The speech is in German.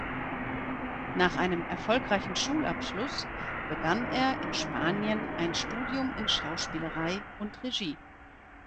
Nach einem erfolgreichen Schulabschluss begann er in Spanien ein Studium in Schauspielerei und Regie.